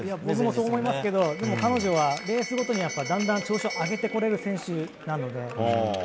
僕もそう思いますけど彼女はレースごとにだんだん調子を上げてこられる選手なので。